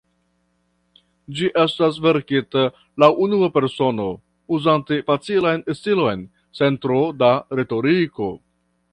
Ĝi estas verkita laŭ unua persono, uzante facilan stilon, sen tro da retoriko.